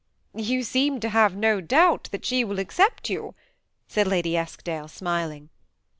^You seem to have no doubt that she will accept you ?" said Lady Eskdale, smiling.